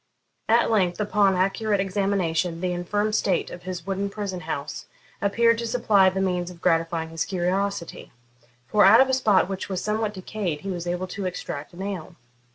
At length, upon accurate examination, the infirm state of his wooden prison house appeared to supply the means of gratifying his curiosity, for out of a spot which was somewhat decayed he was able to extract a nail.